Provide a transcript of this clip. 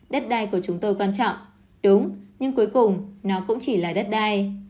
đất đai của chúng tôi quan trọng đúng nhưng cuối cùng nó cũng chỉ là đất đai